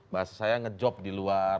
bahasa saya ngejob di luar